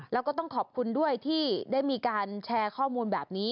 แล้วก็ต้องขอบคุณด้วยที่ได้มีการแชร์ข้อมูลแบบนี้